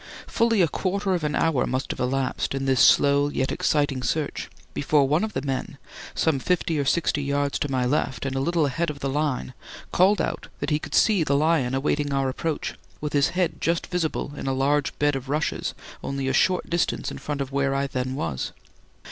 Fully a quarter of an hour must have elapsed in this slow yet exciting search, before one of the men, some fifty or sixty yards to my left, and a little ahead of the line, called out that he could see the lion awaiting our approach, with his head just visible in a large bed of rushes only a short distance in front of where I then was.